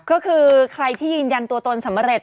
ก็คือใครที่ยืนยันตัวตนสำเร็จ